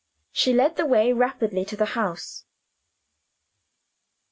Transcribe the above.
She led the way rapidly to the house.